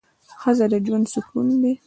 ښځه د ژوند سکون دی